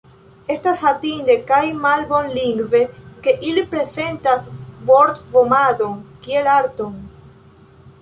Estas hatinde kaj malbonlingve, ke ili prezentas vortvomadon kiel arton.